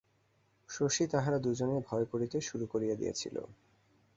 শশীকে তাহারা দুজনেই ভয় করিতে শুরু করিয়া দিয়াছিল।